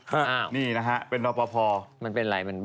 ฮะนี่นะฮะเป็นรอบพอพอ